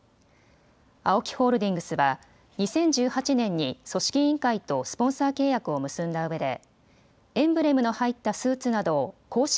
ＡＯＫＩホールディングスは２０１８年に組織委員会とスポンサー契約を結んだうえでエンブレムの入ったスーツなどを公式